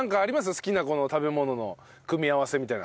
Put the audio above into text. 好きな食べ物の組み合わせみたいな。